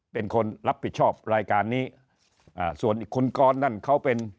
เป็นคนรับผิดชอบรายการนี้อ่าส่วนอีกคุณกรนั่นเขาเป็น